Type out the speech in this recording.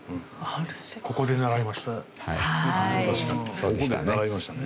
確かにここで習いましたね。